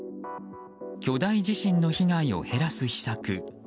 巨大地震の被害を減らす秘策。